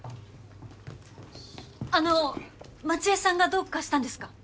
あのう街絵さんがどうかしたんですか？